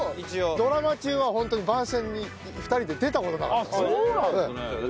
ドラマ中はホントに番宣に２人で出た事なかった。